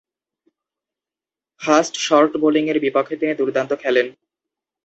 Fast short বোলিংয়ের বিপক্ষে তিনি দূর্দান্ত খেলেন।